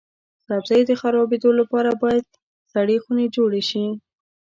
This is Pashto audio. سبزیو د خرابیدو لپاره باید سړې خونې جوړې شي.